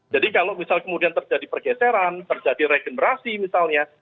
jadi kalau misalnya kemudian terjadi pergeseran terjadi regenerasi misalnya